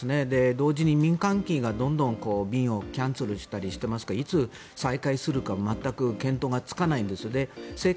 同時に民間機がどんどん便をキャンセルしたりしていますがいつ再開するか全く見当がつかないんです。